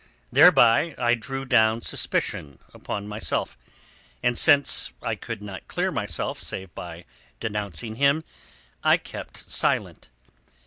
Thereby I drew down suspicion upon myself, and since I could not clear myself save by denouncing him, I kept silent.